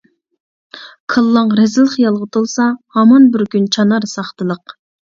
كاللاڭ رەزىل خىيالغا تولسا، ھامان بىر كۈن چانار ساختىلىق.